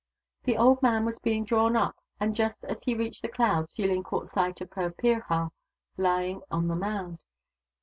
The old man was being drawn up, and just as he reached the clouds Yillin caught sight of her Pirha, lying on the mound.